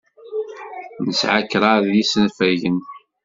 Nesɛa kraḍ n yisafagen.